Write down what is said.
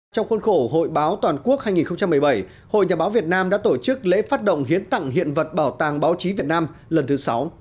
trong khuôn khổ hội báo toàn quốc hai nghìn một mươi bảy hội nhà báo việt nam đã tổ chức lễ phát động hiến tặng hiện vật bảo tàng báo chí việt nam lần thứ sáu